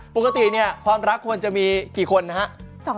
ปกติเนี่ยความรักควรจะมีกี่คนนะครับ